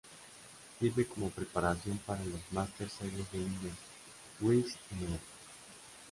Sirve como preparación para los Masters Series de Indian Wells y Miami.